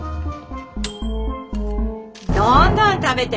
どんどん食べて。